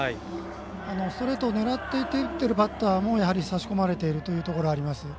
ストレートを狙って打っているバッターもやはり差し込まれているところがあります。